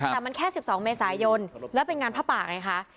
แต่มันแค่๑๒เมษายนแล้วเป็นงานผ้าป่าไงคะ